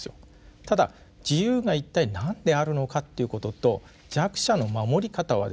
ただ自由が一体何であるのかということと弱者の守り方はですね